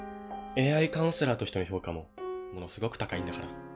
ＡＩカウンセラーとしての評価もものすごく高いんだから。